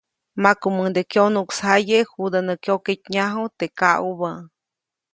Makumuŋde kyonuʼksjaye judä nä kyoketnyaju teʼ kaʼubä.